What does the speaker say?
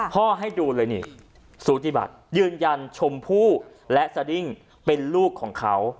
พ่อให้ดูเลยนี่สุธิบัติยืนยันชมพู่และเป็นลูกของเขา